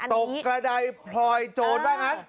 ตรงกระดายพลอยโจทย์บ้างครับ